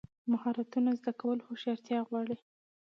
مهارتونه زده کول هوښیارتیا غواړي.